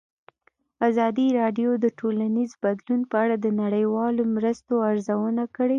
ازادي راډیو د ټولنیز بدلون په اړه د نړیوالو مرستو ارزونه کړې.